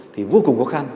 thì vô cùng khó khăn